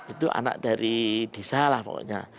itu anak dari desa lah pokoknya